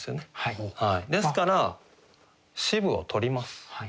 ですから「渋」を取ります。